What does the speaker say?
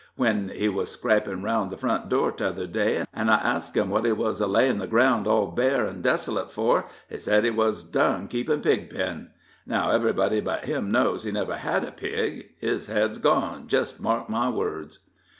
When he was scrapin' aroun' the front door t'other day, an' I asked him what he wuz a layin' the ground all bare an' desolate for, he said he was done keepin' pig pen. Now everybody but him knows he never had a pig. His head's gone, just mark my words."